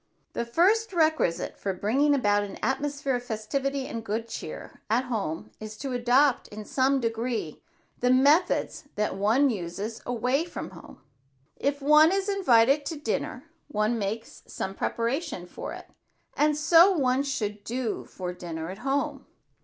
The first requisite for bringing about an atmosphere of festivity and good cheer at home is to adopt in some degree the methods that one uses away from home. If one is invited out to dinner, one makes some preparation for it, and so one should do for dinner at home.